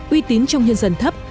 uy tín trong nhân dân thấp